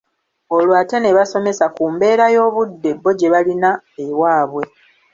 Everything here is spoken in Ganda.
Olwo ate ne basomesa ku mbeera y’Obudde bo gye balina ewaabwe